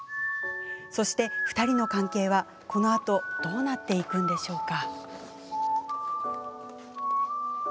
そして２人の関係は、このあとどうなっていくんでしょうか。